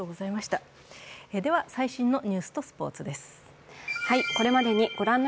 では、最新のニュースとスポーツです。